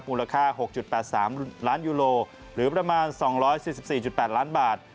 มูลค่า๖๘๓ล้านยูโรหรือประมาณ๒๔๔๘ล้านบาท